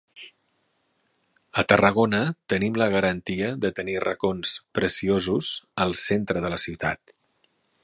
A Tarragona tenim la garantia de tenir racons preciosos al centre de la ciutat.